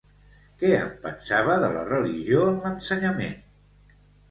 Què en pensava de la religió en l'ensenyament?